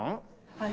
はい。